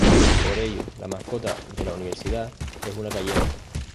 Por ello, la mascota de la universidad es una Cayena.